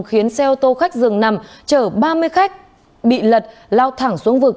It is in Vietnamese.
khiến xe ô tô khách dường nằm chở ba mươi khách bị lật lao thẳng xuống vực